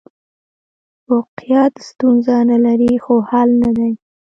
فوقیت ستونزه نه لري، خو حل نه دی.